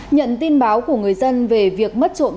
nhận tin báo của người dân về việc mất chủ quan lơ là